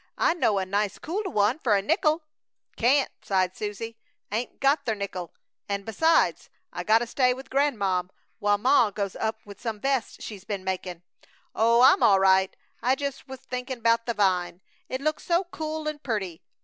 I know a nice cool one fer a nickel!" "Can't!" sighed Susie. "'Ain't got ther nickel, and, besides, I gotta stay with gran'mom while ma goes up with some vests she's been makin'. Oh, I'm all right! I jus' was thinkin' about the vine; it looks so cool and purty.